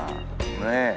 ねえ。